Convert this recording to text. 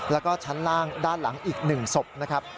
แล้วก็ชั้นล่างด้านหลังอีก๑ศพนะครับ